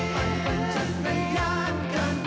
ปันปันจะกระยานกัน